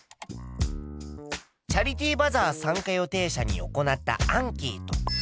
チャリティーバザー参加予定者に行ったアンケート。